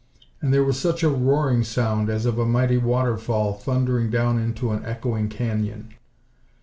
And there was such a roaring sound, as of a mighty waterfall thundering down into an echoing canyon.